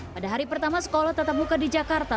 pada hari pertama sekolah tatap muka di jakarta